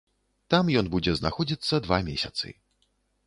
Там ён будзе знаходзіцца два месяцы.